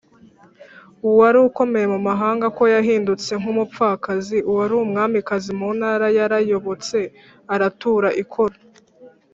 Uwari ukomeye mu mahanga, Ko yahindutse nk’umupfakazi! Uwari umwamikazi mu ntara yarayobotse, Aratura ikoro.